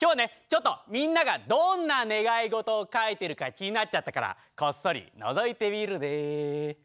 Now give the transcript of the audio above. ちょっとみんながどんな願い事を書いてるか気になっちゃったからこっそりのぞいてみるね。